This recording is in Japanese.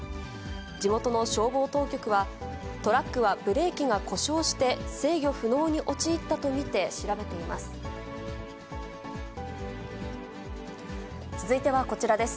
地元の消防当局は、トラックはブレーキが故障して制御不能に陥ったと見て調べています。